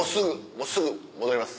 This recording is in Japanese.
もうすぐ戻ります。